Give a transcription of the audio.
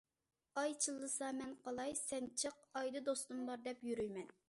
ئاي چىللىسا، مەن قالاي، سەن چىق، ئايدا دوستۇم بار دەپ يۈرىمەن.